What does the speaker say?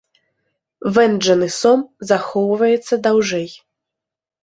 Вэнджаны сом захоўваецца даўжэй.